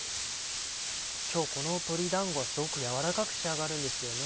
今日この鶏だんごはすごく軟らかく仕上がるんですよね。